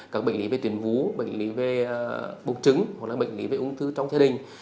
các bệnh lý về tuyến vú bệnh lý về bụng trứng hoặc là bệnh lý về ung thư trong gia đình